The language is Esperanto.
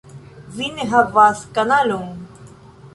Vi ne havas kanalon